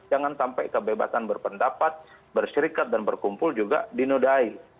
jangan sampai kebebasan berpendapat bersyrikat dan berkumpul juga dinudai